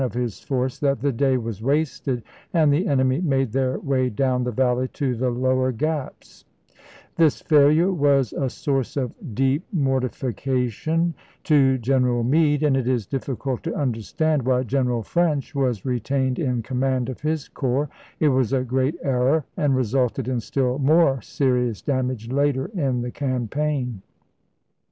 tteVS of his force, that the day was wasted and the en Part i.', emy made their way down the valley to the lower Gaps. This failure was a source of deep mortifi ABRAHAM LINCOLN THE LINE OF THE EAPIDAN 233 cation to General Meade, and it is difficult to under chap.ix. stand why General French was retained in command of his corps ; it was a great error, and resulted in still more serious damage later in the campaign.